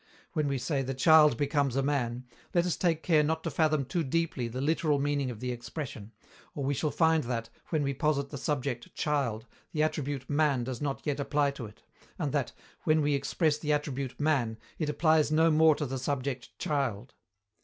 When we say "The child becomes a man," let us take care not to fathom too deeply the literal meaning of the expression, or we shall find that, when we posit the subject "child," the attribute "man" does not yet apply to it, and that, when we express the attribute "man," it applies no more to the subject "child."